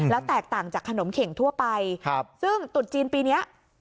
แล้วแตกต่างจากขนมเข็งทั่วไปซึ่งตุดจีนปีนี้